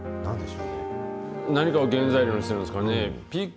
何かを原材料にしてるんですかね。